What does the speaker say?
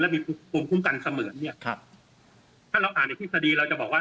มีภูมิคุ้มกันเสมือนเนี่ยครับถ้าเราอ่านในทฤษฎีเราจะบอกว่า